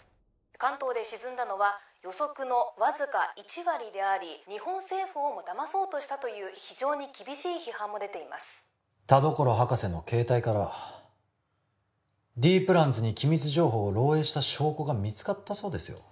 関東で沈んだのは予測のわずか１割であり日本政府をもだまそうとしたという非常に厳しい批判も出ています田所博士の携帯からはＤプランズに機密情報を漏洩した証拠が見つかったそうですよ